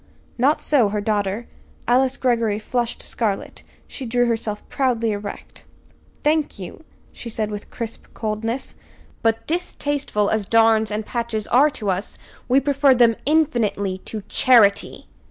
Not so her daughter. Alice Greggory flushed scarlet. She drew herself proudly erect. "Thank you," she said with crisp coldness; "but, distasteful as darns and patches are to us, we prefer them, infinitely, to charity!"